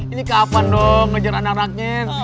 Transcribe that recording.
ini kapan dong ngejar anak anaknya